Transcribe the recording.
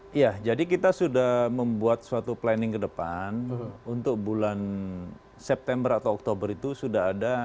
iya jadi kita sudah membuat suatu planning ke depan untuk bulan september atau oktober itu sudah ada